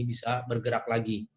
bisa bergerak lagi